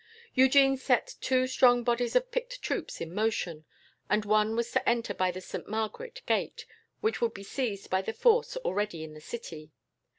"Eugene set two strong bodies of picked troops in motion. The one was to enter by the Saint Margaret gate, which would be seized by the force already in the city.